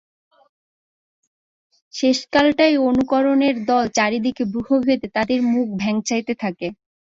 শেষকালটায় অনুকরণের দল চারি দিকে ব্যূহ বেঁধে তাদেরকে মুখ ভ্যাংচাতে থাকে।